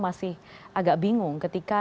masih agak bingung ketika